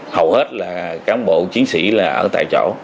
hầu hết là cán bộ chiến sĩ là ở tại chỗ